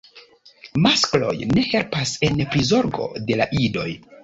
Maskloj ne helpas en prizorgo de la idoj.